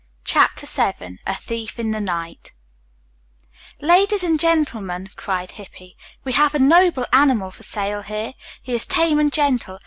CHAPTER VII A THIEF IN THE NIGHT "Ladies and gentlemen," cried Hippy. "We have a noble animal for sale here. He is tame and gentle.